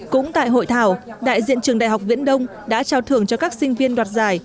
cũng tại hội thảo đại diện trường đại học viễn đông đã trao thưởng cho các sinh viên đoạt giải